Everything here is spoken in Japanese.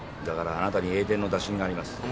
だからあなたに栄転の打診があります。